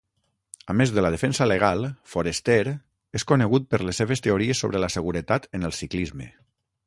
A més de la defensa legal, Forester és conegut per les seves teories sobre la seguretat en el ciclisme.